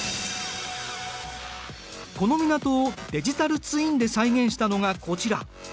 この港をデジタルツインで再現したのがこちら。